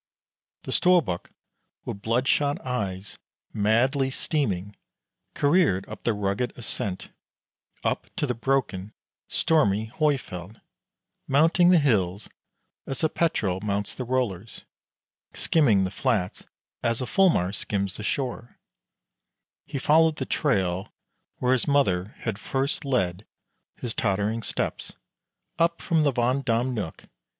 The Storbuk with bloodshot eyes, madly steaming, careered up the rugged ascent, up to the broken, stormy Hoifjeld; mounting the hills as a Petrel mounts the rollers, skimming the flats as a Fulmar skims the shore, he followed the trail where his mother had first led his tottering steps, up from the Vand dam nook.